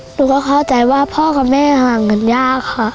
หนูก็เข้าใจว่าพ่อกับแม่ห่างกันยากค่ะ